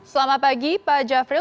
selamat pagi pak jafril